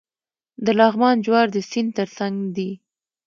د لغمان جوار د سیند ترڅنګ دي.